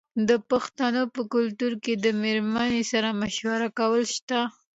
د پښتنو په کلتور کې د میرمنې سره مشوره کول شته.